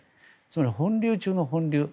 つまり本流中の本流